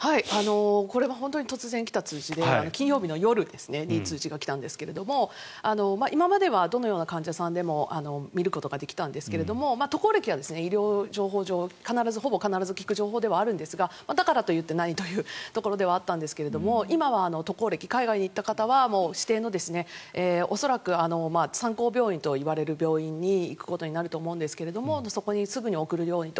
これは本当に突然来た通知で金曜日の夜に通知が来たんですけれども今まではどのような患者さんでも診ることができたんですが渡航歴は医療情報上ほぼ必ず聞く情報ではあるんですがだからといって何という状況ではあったんですが今は渡航歴海外に行った方は指定の恐らく参考病院といわれる病院に行くことになると思うんですがそこにすぐに送るようにと。